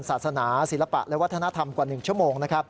ศาสนาศิลปะและวัฒนธรรมกว่า๑ชั่วโมง